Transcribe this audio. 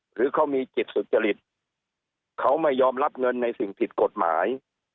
หรือเขามีจิตสุจริตเขาไม่ยอมรับเงินในสิ่งผิดกฎหมาย